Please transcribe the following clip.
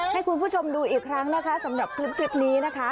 ให้คุณผู้ชมดูอีกครั้งนะคะสำหรับคลิปนี้นะคะ